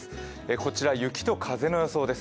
こちら、雪と風の予想です。